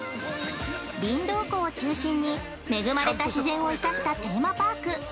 ◆りんどう湖を中心に恵まれた自然を生かしたテーマパーク。